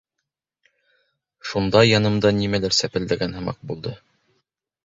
Шунда янымда нимәлер сәпелдәгән һымаҡ булды.